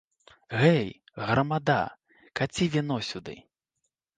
Гэй, грамада, каці віно сюды.